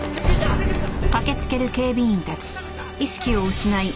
何がありました！？